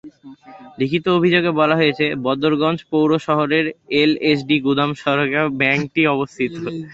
লিখিত অভিযোগে বলা হয়েছে, বদরগঞ্জ পৌর শহরের এলএসডি গুদাম সড়কে ব্যাংকটি অবস্থিত।